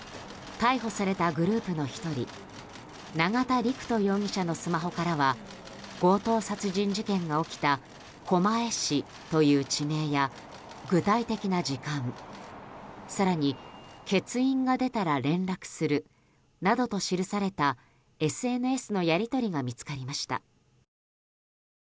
逮捕されたグループの１人永田陸人容疑者のスマホからは強盗殺人事件が起きた狛江市という地名や具体的な時間更に、欠員が出たら連絡するなどと記されたＳＮＳのやり取りが見つかりました。